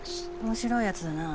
面白いやつだな。